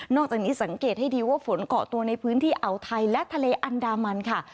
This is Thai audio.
อกจากนี้สังเกตให้ดีว่าฝนเกาะตัวในพื้นที่อ่าวไทยและทะเลอันดามันค่ะ